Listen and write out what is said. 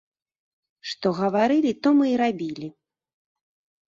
Што гаварылі, то мы і рабілі.